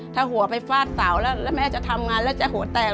ถ้าหัวไปฟาดเสาแล้วแล้วแม่จะทำงานแล้วจะหัวแตก